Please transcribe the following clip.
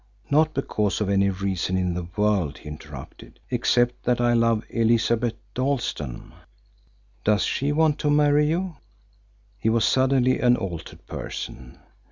"Not because of any reason in the world," he interrupted, "except that I love Elizabeth Dalstan." "Does she want to marry you?" He was suddenly an altered person.